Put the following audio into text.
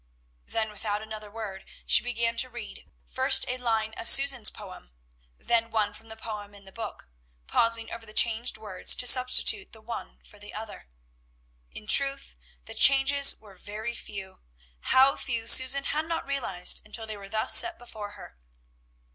Then without another word she began to read first a line of Susan's poem, then one from the poem in the book, pausing over the changed words, to substitute the one for the other. In truth, the changes were very few, how few Susan had not realized until they were thus set before her.